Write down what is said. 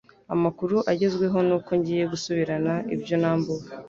Amakuru Agezweho nuko ngiye gusubirana ibyo nambuwe